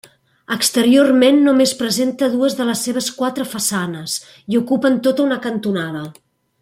Exteriorment només presenta dues de les seves quatre façanes, i ocupen tota una cantonada.